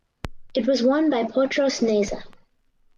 It was won by Potros Neza.